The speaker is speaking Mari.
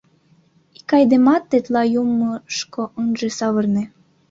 Ик айдемат тетла юмышко ынже савырне!..